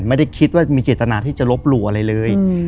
ไม่ได้คิดว่ามีเจตนาที่จะลบหลู่อะไรเลย